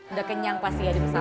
udah kenyang pasti ya di pesawat